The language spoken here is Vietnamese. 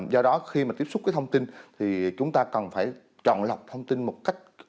do đó khi mà tiếp xúc cái thông tin thì chúng ta cần phải chọn lọc thông tin một cách